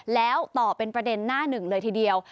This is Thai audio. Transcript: แล้วต่อเป็นประเด็นหน้าหนึ่งเลยทีเดียว